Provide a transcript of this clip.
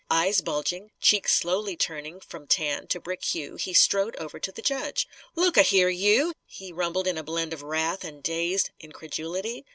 Eyes bulging, cheeks slowly turning from tan to brick hue, he strode over to the judge. "Look a here, you!" he rumbled in a blend of wrath and dazed incredulity.